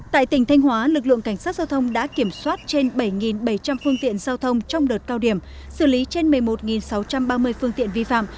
tại tỉnh thanh hóa lực lượng cảnh sát giao thông đã kiểm soát trên bảy bảy trăm linh phương tiện giao thông trong đợt cao điểm xử lý trên một mươi một sáu trăm ba mươi phương tiện vi phạm